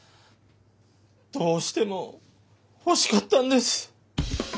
どうしてもほしかったんです。